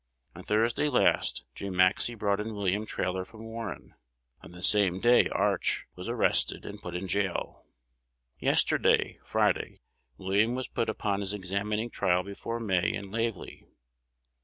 On Thursday last Jim Maxcy brought in William Trailor from Warren. On the same day Arch, was arrested, and put in jail. Yesterday (Friday) William was put upon his examining trial before May and Lavely.